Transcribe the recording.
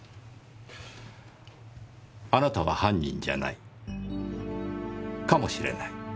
あなたは犯人じゃないかもしれない。